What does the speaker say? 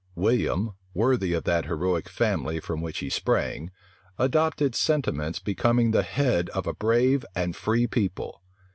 William, worthy of that heroic family from which he sprang, adopted sentiments becoming the head of a brave and free people.